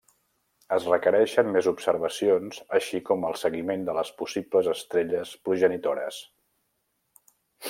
Es requereixen més observacions així com el seguiment de les possibles estrelles progenitores.